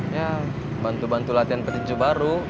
ya bantu bantu latihan petinju baru